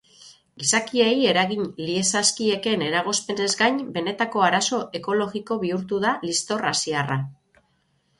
Gizakiei eragin liezazkieken eragozpenez gain, benetako arazo ekologiko bihurtu da liztor asiarra.